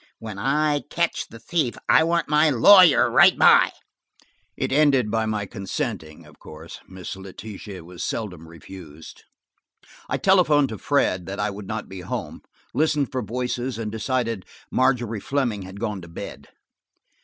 When I catch the thief, I want my lawyer right by." It ended by my consenting, of course. Miss Letitia was seldom refused. I telephoned to Fred that I would not be home, listened for voices and decided Margery Fleming had gone to bed.